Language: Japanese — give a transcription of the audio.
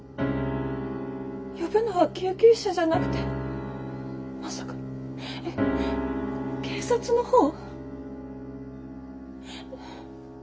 呼ぶのは救急車じゃなくてまさか警察のほう？